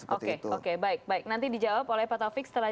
oke baik nanti dijawab oleh pak taufik setelah